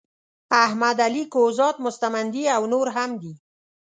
احمد علی کهزاد مستمندي او نور هم دي.